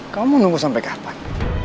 kamu nunggu sampe kapan